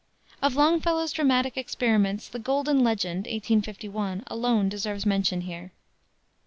Of Longfellow's dramatic experiments the Golden Legend, 1851, alone deserves mention here.